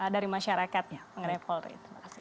dari masyarakat mengenai polri